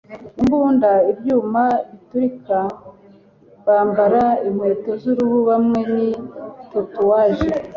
imbunda ibyuma biturika bambara inkweto zuruhu bamwe ni tatouage